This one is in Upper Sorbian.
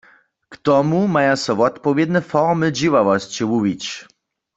K tomu maja so wotpowědne formy dźěławosće wuwić.